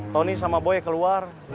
tony sama boy keluar